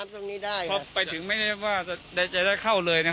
แต่คนเราจะอาบน้ำ